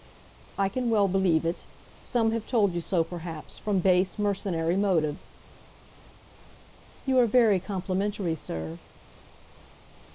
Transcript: "I can well believe it. Some have told you so, perhaps, from base, mercenary motives." "You are very complimentary, sir."